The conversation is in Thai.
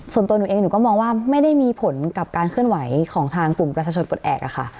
ส่วนตัวหนูเองหนูก็มองว่าไม่ได้มีผลกับการเคลื่อนไหวของทางกลุ่มประชาชนปลดแอบอะค่ะ